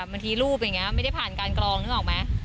บางทีรูปไม่ได้ผ่านการกรองนึกออกมั้ย